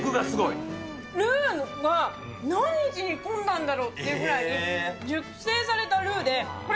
ルーが、何日煮込んだんだろうってぐらい、熟成されたルーで、これ、